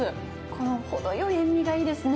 この程よい塩みがいいですね。